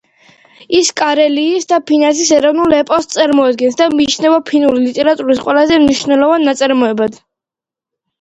ის კარელიის და ფინეთის ეროვნულ ეპოსს წარმოადგენს და მიიჩნევა ფინური ლიტერატურის ყველაზე მნიშვნელოვან ნაწარმოებად.